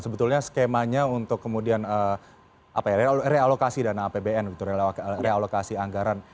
sebetulnya skemanya untuk kemudian realokasi dana apbn realokasi anggaran